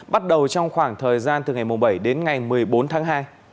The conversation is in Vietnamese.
bắt đầu trong khoảng thời gian từ ngày bảy đến ngày một mươi bốn tháng hai